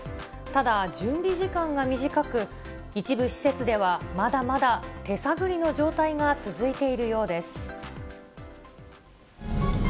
ただ、準備時間が短く、一部施設では、まだまだ手探りの状態が続いているようです。